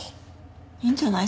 いいんじゃない？